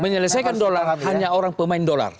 menyelesaikan dolar hanya orang pemain dolar